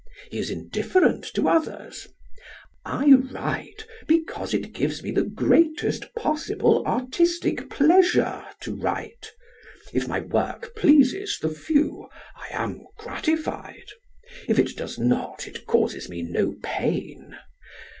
He is indifferent to others. I write because it gives me the greatest possible artistic pleasure to write. If my work pleases the few, I am gratified. If it does not, it causes me no pain.